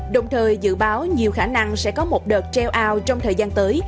đồng thời dự báo nhiều khả năng sẽ có một đợt treo ao trong thời gian tới